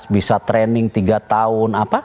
bisa training tiga tahun